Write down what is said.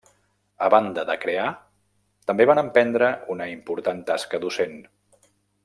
A banda de crear, també va emprendre una important tasca docent.